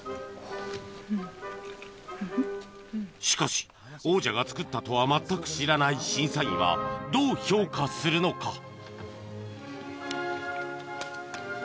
しかし王者が作ったとは全く知らない審査員はどう評価するのか？